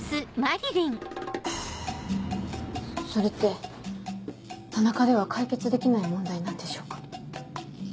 それって田中では解決できない問題なんでしょうか？